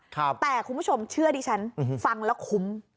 แต่คุณผู้ชมเชื่อดิฉันฟังแล้วคุ้ม